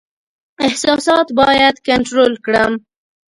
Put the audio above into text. احساسات باید کنټرول کړم.